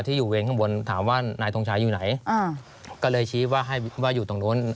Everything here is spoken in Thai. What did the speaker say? อยู่เวรข้างบนถามว่านายทงชัยอยู่ไหนก็เลยชี้ว่าให้ว่าอยู่ตรงนู้น